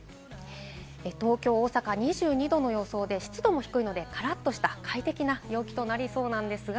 東京、大阪は２２度の予想で湿度も低いので、カラッとした快適な陽気となりそうです。